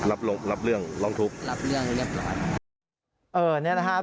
ว่าพูดต่อยเขาก็เลยไม่ยอมรับ